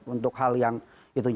untuk hal yang itu